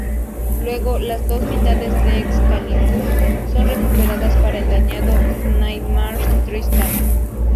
Luego, las dos mitades de Excalibur son recuperadas para el dañado Knightmare Tristan.